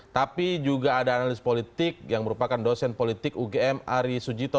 tapi juga ada analis politik yang merupakan dosen politik ugm ari sujito